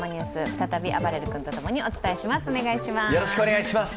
再びあばれる君と共にお伝えします。